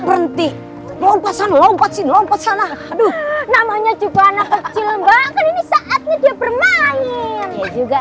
berhenti lompasan lompat sih lompat sana aduh namanya juga anak kecil banget ini saatnya dia bermain juga